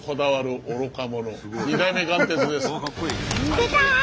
出た！